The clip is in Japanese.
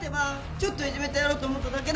ちょっといじめてやろうと思っただけだもん。